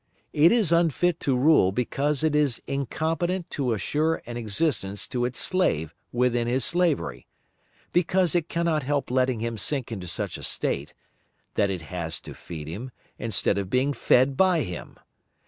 It is unfit to rule because it is incompetent to assure an existence to its slave within his slavery, because it cannot help letting him sink into such a state, that it has to feed him, instead of being fed by him.